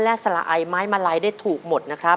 และสละอายไม้มาลัยได้ถูกหมดนะครับ